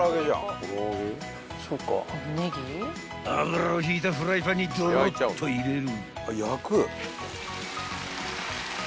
［油をひいたフライパンにドロッと入れる］